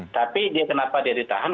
tapi dia kenapa dia ditahan